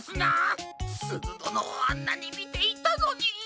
すずどのをあんなにみていたのに。